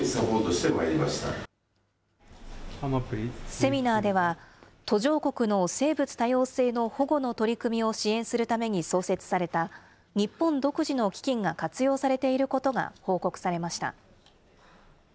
セミナーでは、途上国の生物多様性の保護の取り組みを支援するために創設された、日本独自の基金が活用されていることが報告されました。